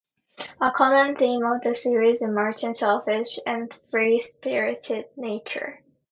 A common theme of the series is Martin's selfish and free-spirited nature.